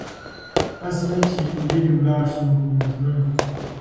هسي نه چي لیري ولاړ سو په مزلونو